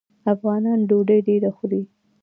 افغانان ډوډۍ ډیره خوري.